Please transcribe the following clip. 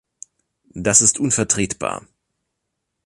Das ist unvertretbar.